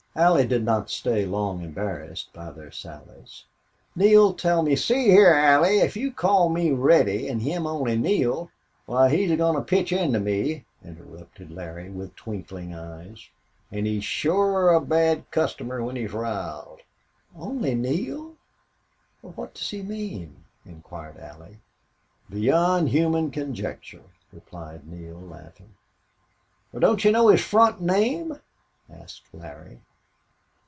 Allie did not long stay embarrassed by their sallies. "Neale, tell me " "See heah, Allie, if you call me Reddy an' him only Neale why he's a goin' to pitch into me," interrupted Larry, with twinkling eyes. "An' he's shore a bad customer when he's r'iled." "Only Neale? What does he mean?" inquired Allie. "Beyond human conjecture," replied Neale, laughing. "Wal, don't you know his front name?" asked Larry.